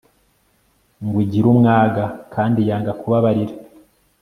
ngw igir umwaga kandi yanga kubabarira